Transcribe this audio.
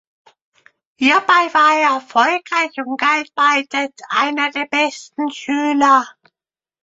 Hierbei war er erfolgreich und galt bald als einer der besten Schüler.